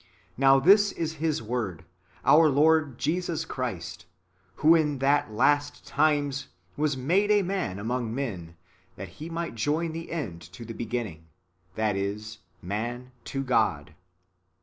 Now this is His Word, our Lord Jesus Christ, who in the last times was made a man among men, that He might join the end to the beginning, that is, man to God.